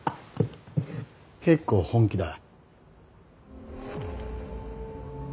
結構本気だ。